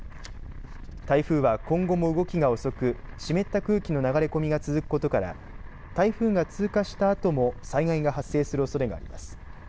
台風は今後も動きが遅く湿った空気の流れ込みが続くことから台風が通過したあとも災害が発生するおそれがあります。